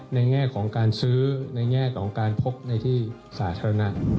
แง่ของการซื้อในแง่ของการพกในที่สาธารณะ